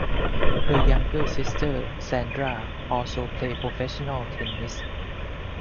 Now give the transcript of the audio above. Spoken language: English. Her younger sister Sandra also played professional tennis.